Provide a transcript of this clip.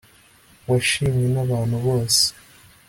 washimwe n'abantu bose